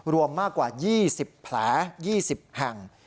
รวมมากกว่า๒๐แผล๒๐แห่ง